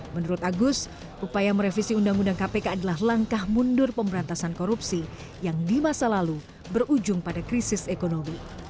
menurut agus upaya merevisi undang undang kpk adalah langkah mundur pemberantasan korupsi yang di masa lalu berujung pada krisis ekonomi